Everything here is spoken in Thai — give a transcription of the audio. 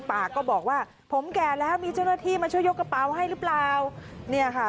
ปากก็บอกว่าผมแก่แล้วมีเจ้าหน้าที่มาช่วยยกกระเป๋าให้หรือเปล่าเนี่ยค่ะ